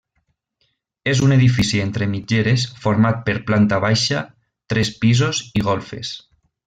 És un edifici entre mitgeres format per planta baixa, tres pisos i golfes.